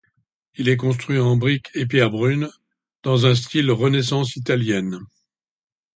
Il est construit en briques et pierres brunes, dans un style renaissance italienne.